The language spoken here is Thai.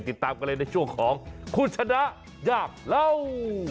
ติดตามกันเลยในช่วงของคุณชนะยากเล่า